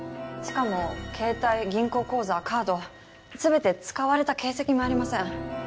しかもケータイ銀行口座カードすべて使われた形跡もありません。